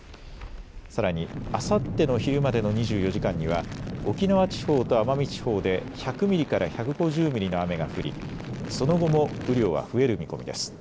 さらにあさっての昼までの２４時間には沖縄地方と奄美地方で１００ミリから１５０ミリの雨が降りその後も雨量は増える見込みです。